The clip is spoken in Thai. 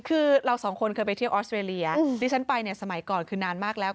คือเราสองคนเคยไปเที่ยวออสเตรเลียที่ฉันไปเนี่ยสมัยก่อนคือนานมากแล้ว